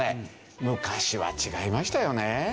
昔は違いましたよねえ。